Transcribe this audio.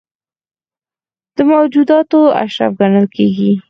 د موجوداتو اشرف ګڼل کېږي.